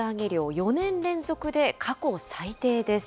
４年連続で過去最低です。